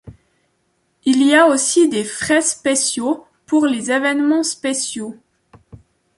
Il y a aussi des frais spéciaux pour les événements spéciaux.